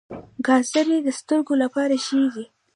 ګازرې د سترګو لپاره ښې دي